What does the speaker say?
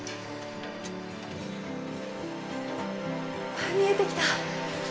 ああ見えてきた。